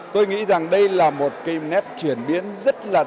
tôi nghĩ rằng đây là một kênh nét chuyển biến rất là đáng